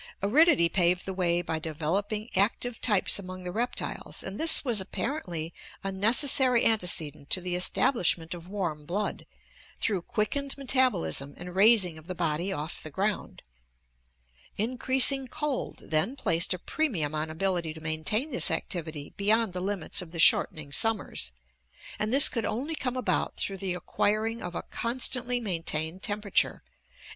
Aridity paved the way by developing active types among the reptiles, and this was apparently a necessary antecedent to the establishment of warm blood, through quickened metabolism and raising of the body off the ground. Increasing cold then placed a premium on ability to maintain this activity beyond the limits of the shortening summers, and this could only come about through the acquiring of a constantly maintained temperature, in othu